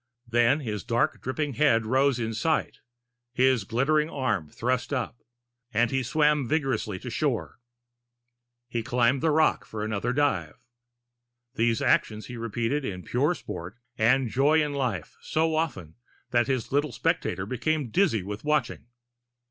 Then his dark, dripping head rose in sight, his glittering arm thrust up, and he swam vigorously to shore. He climbed the rock for another dive. These actions he repeated in pure sport and joy in life so often that his little spectator became dizzy with watching.